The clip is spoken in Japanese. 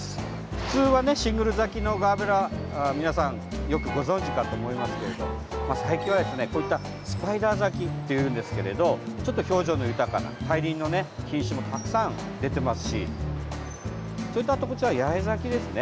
普通はシングル咲きのガーベラ皆さんよくご存じかと思いますけど最近はこういったスパイダー咲きっていうんですけれどちょっと表情の豊かな大輪の品種もたくさん出ていますしそれと、こちらは八重咲きですね。